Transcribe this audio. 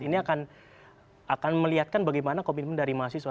ini akan melihatkan bagaimana komitmen dari mahasiswa